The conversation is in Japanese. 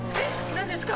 何ですか？